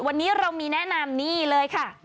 วันนี้เรามีแนะนำนี่เลยค่ะ